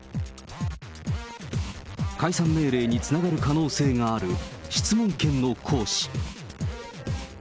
解散命令につながる可能性がある質問権の行使。